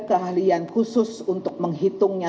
keahlian khusus untuk menghitungnya